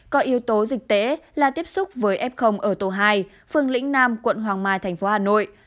có yếu tố dịch tễ là tiếp xúc với f ở tổ hai phường lĩnh nam quận hoàng mai thành phố hà nội